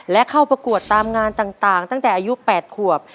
และเข้าประกวดตามงานต่างตั้งแต่อายุ๘ขวบ